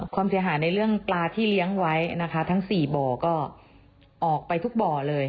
ความเสียหายในเรื่องปลาที่เลี้ยงไว้นะคะทั้ง๔บ่อก็ออกไปทุกบ่อเลย